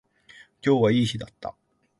今日はいい日だった